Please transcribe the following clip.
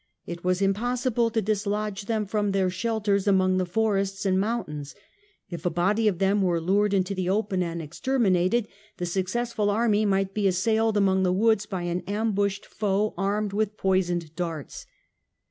It was impossible to dislodge them from their shelters among the forests and mountains ; if a body of them were lured into the open and exterminated, the successful army might be assailed among the woods by an ambushed foe armed with poisoned darts.